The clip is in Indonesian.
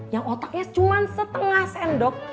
yang otaknya cuma setengah sendok